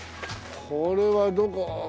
これはどこ。